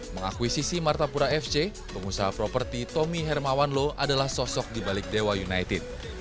mengakuisisi martapura fc pengusaha properti tommy hermawanlo adalah sosok di balik dewa united